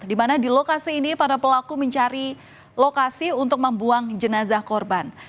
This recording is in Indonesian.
di mana di lokasi ini para pelaku mencari lokasi untuk membuang jenazah korban